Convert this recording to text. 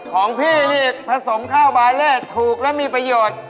ของพี่นี่ผสมข้าวบายเลอร์ถูกและมีประโยชน์